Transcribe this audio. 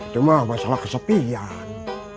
cuma masalah kesepian